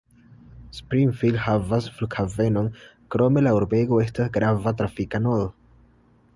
Springfield havas flughavenon, krome la urbego estas grava trafika nodo.